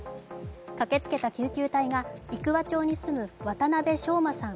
駆けつけた救急隊が生桑町に住む渡邉翔真さん